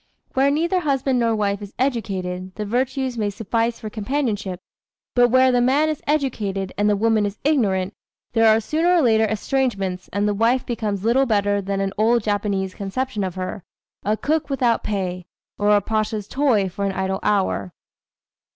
Where neither husband nor wife is educated, the virtues may suffice for companionship, but where the man is educated and the woman ignorant, there are sooner or later estrangements and the wife becomes little better than an old Japanese conception of her, "a cook without pay," or a pasha's toy for an idle hour.